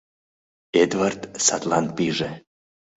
Эдвард садлан пиже.